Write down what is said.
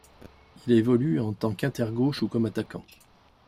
Il évolue en tant qu'inter-gauche ou comme attaquant.